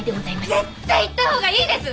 絶対行った方がいいです！